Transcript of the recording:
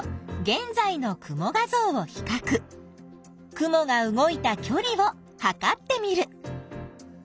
雲が動いたきょりをはかってみる。